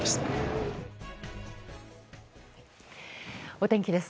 お天気です。